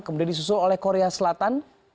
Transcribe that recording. kemudian disusul oleh korea selatan